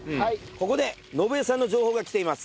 ここで順恵さんの情報が来ています。